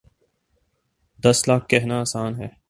دس لاکھ کہنا آسان ہے۔